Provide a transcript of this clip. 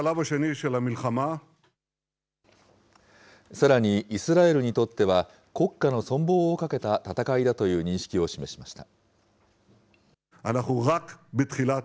さらにイスラエルにとっては、国家の存亡をかけた戦いだという認識を示しました。